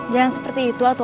jangan seperti itu atu